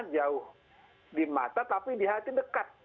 jauh di mata tapi di hati dekat